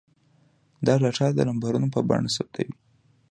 دا ډاټا د نمبرونو په بڼه ثبتوي.